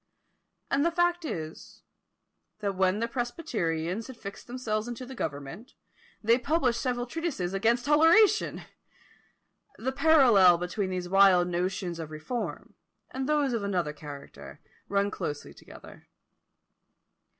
And the fact is, that when the presbyterians had fixed themselves into the government, they published several treatises against toleration! The parallel between these wild notions of reform, and those of another character, run closely together.